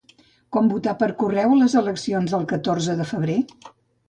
Com votar per correu a les eleccions del catorze de febrer?